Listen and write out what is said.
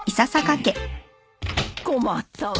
困ったわ。